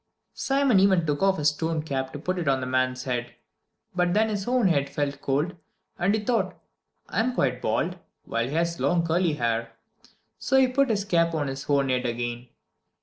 Simon even took off his torn cap to put it on the man's head, but then his own head felt cold, and he thought: "I'm quite bald, while he has long curly hair." So he put his cap on his own head again.